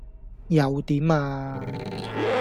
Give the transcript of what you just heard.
又點呀?